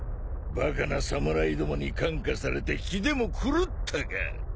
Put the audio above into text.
バカな侍どもに感化されて気でも狂ったか？